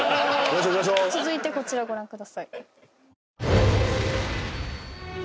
続いてこちらご覧ください。